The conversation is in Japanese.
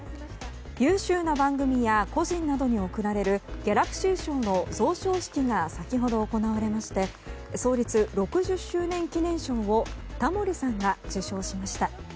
優秀な番組や個人などに贈られるギャラクシー賞の贈賞式が先ほど行われまして創立６０周年記念賞をタモリさんが受賞しました。